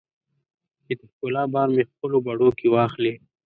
چې د ښکلا بار مې خپلو بڼو کې واخلې